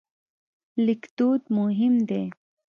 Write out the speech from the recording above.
لیکدود مهم دی.